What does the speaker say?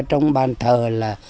trong bàn thờ là